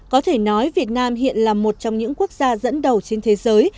có thể nói việt nam hiện là một trong những quốc gia dẫn đầu trên thế giới